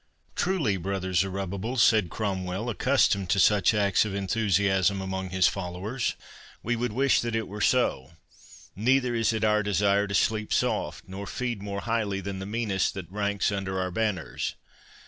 "Truly, brother Zerubbabel," said Cromwell, accustomed to such acts of enthusiasm among his followers, "we would wish that it were so; neither is it our desire to sleep soft, nor feed more highly than the meanest that ranks under our banners.